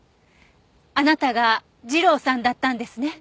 あなたがジローさんだったんですね。